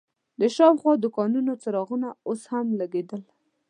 د شاوخوا دوکانونو څراغونه اوس هم لګېدل.